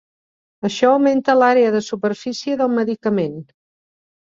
Això augmenta l"àrea de superfície del medicament.